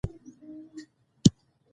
بدخشان د افغانانو ژوند اغېزمن کوي.